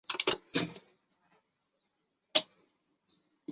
后来曹操任命丁仪为西曹掾。